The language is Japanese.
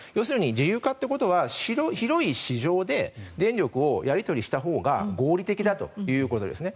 自由化というのは広い市場で電力のやり取りをしたほうが合理的だということですね。